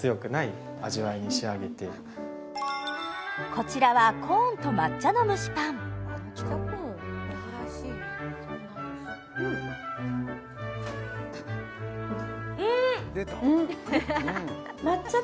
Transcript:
こちらはコーンと抹茶の蒸しパンうんうん！